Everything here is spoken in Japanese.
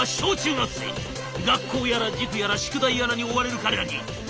学校やら塾やら宿題やらに追われる彼らにヒントがあるのです」。